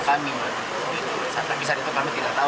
kerja lebih hati hati kerja lebih segitilah